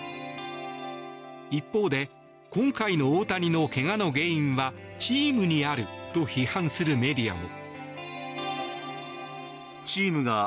一方で今回の大谷の怪我の原因はチームにあると批判するメディアも。